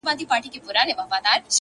چي ديـدنونه پــــه واوښـتل.!